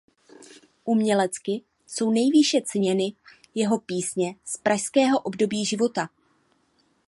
Umělecky jsou nejvýše ceněny jeho písně z pražského období života.